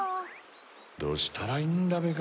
どうしたらいいんだべが